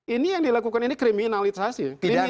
ini yang dilakukan ini kriminalisasi